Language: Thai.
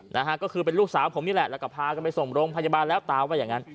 นะฮะก็คือเป็นลูกสาวผมนี่แหละแล้วก็พากันไปส่งโรงพยาบาลแล้วตาว่าอย่างงั้น